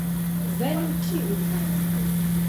Venu ĉiuj!